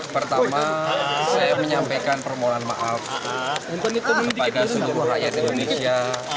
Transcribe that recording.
pertama saya menyampaikan permohonan maaf kepada seluruh rakyat indonesia